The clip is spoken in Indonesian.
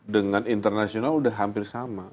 dengan internasional sudah hampir sama